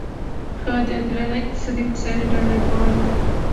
هغه د عادلانه اقتصادي هوساینې ډالۍ کول و.